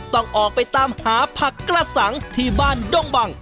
ต้องออกไปตามหาผักกระสังที่บ้านด้งบัง